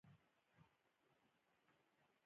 د پروان په غوربند کې د ډبرو سکاره شته.